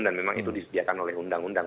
dan memang itu disediakan oleh undang undang